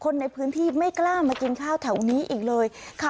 ร้านครัวจะตายค่ะ